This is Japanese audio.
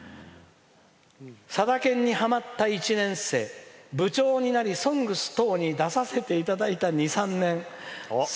さだ研にはまった１年生部長になり「ＳＯＮＧＳ」などに出させていただいた２３年。